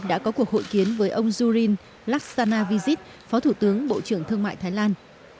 đã có cuộc hội kiến với ông zorin laksanavisit phó thủ tướng bộ trưởng thương mại thái lan